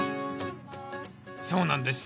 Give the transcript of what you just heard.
そうなんです。